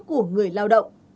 của người lao động